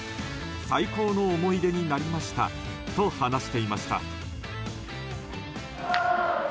最高の思い出になりましたと話していました。